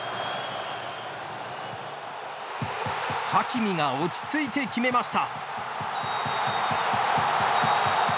ハキミが落ち着いて決めました。